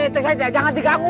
cek saya jangan diganggu